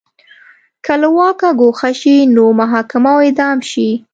که له واکه ګوښه شي نو محاکمه او اعدام شي